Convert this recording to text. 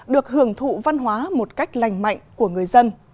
được hưởng thụ văn hóa một cách lành mạnh của người dân